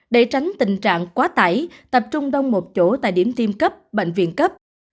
để tránh tình trạng quá tải tập trung đông một chỗ tại điểm tiêm cấp bệnh viện cấp